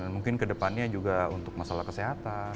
mungkin ke depannya juga untuk masalah kesehatan